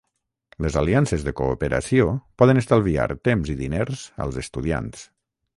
Les aliances de cooperació poden estalviar temps i diners als estudiants.